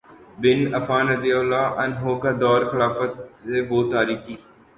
بن عفان رضی اللہ عنہ کا دور خلافت وہ تاریخی